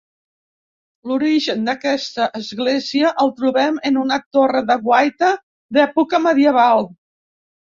L'origen d'aquesta església el trobem en una torre de guaita d'època medieval.